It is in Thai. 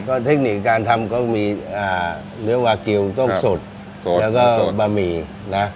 ก็เทคนิคการทำเขามีเนื้อวากิวต้มสดแล้วก็สดบะหมี่นะ